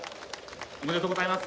おめでとうございます。